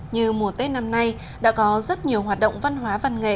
như mùa tết năm nay đã có rất nhiều hoạt động văn hóa văn nghệ